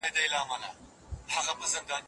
د نن ورځې هڅه د سبا بریا ده.